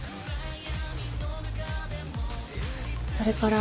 それから。